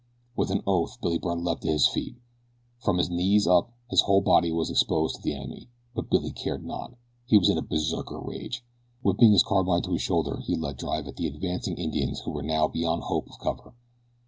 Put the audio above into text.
With an oath Billy Byrne leaped to his feet. From his knees up his whole body was exposed to the enemy; but Billy cared not. He was in a berserker rage. Whipping his carbine to his shoulder he let drive at the advancing Indians who were now beyond hope of cover.